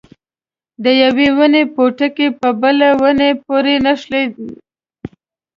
د یوې ونې پوټکي په بله ونه پورې نه نښلي.